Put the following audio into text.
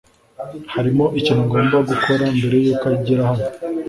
Hariho ikintu ngomba gukora mbere yuko agera hano.